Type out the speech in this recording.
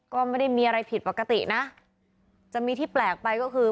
ก็ไม่ได้มีอะไรผิดปกตินะจะมีที่แปลกไปก็คือ